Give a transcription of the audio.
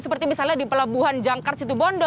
seperti misalnya di pelabuhan jangkar situ bondo